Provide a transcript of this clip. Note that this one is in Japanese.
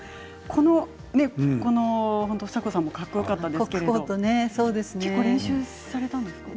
この房子さんもかっこよかったんですけれども。